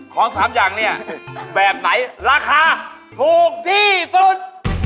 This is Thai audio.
ของ๓อย่างเนี่ยแบบไหนราคาถูกที่สุด